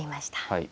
はい。